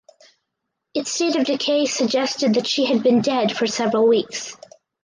Its state of decay suggested that she had been dead for several weeks.